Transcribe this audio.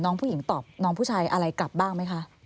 น้องผู้หญิงตอบน้องผู้ชายอะไรกลับบ้างไหมคะ